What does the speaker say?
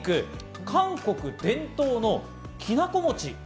韓国伝統のきなこ餅。